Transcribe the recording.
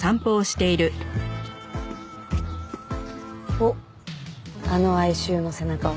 おっあの哀愁の背中は。